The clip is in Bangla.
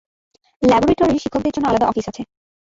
ল্যাবরেটরির শিক্ষকদের জন্য আলাদা অফিস আছে।